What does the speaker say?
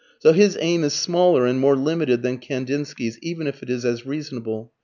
So his aim is smaller and more limited than Kandinsky's even if it is as reasonable.